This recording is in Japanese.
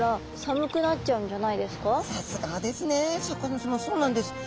シャーク香音さまそうなんです。